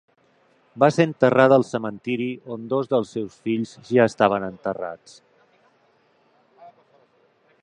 Va ser enterrada al cementiri on dos dels seus fills ja estaven enterrats.